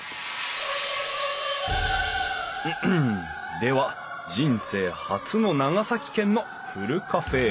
では人生初の長崎県のふるカフェへ！